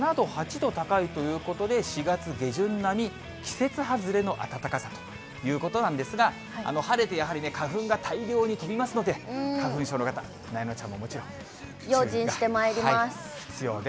７度、８度高いということで、４月下旬並み、季節外れの暖かさということなんですが、晴れて、やはり花粉が大量に飛びますので、花粉症の方、用心してまいります。